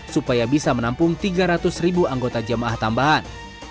supaya bisa menampung tiga ratus ribu anggota jamaah tambahan